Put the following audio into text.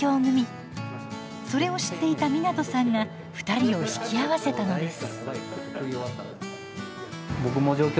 それを知っていた湊さんが２人を引き合わせたのです。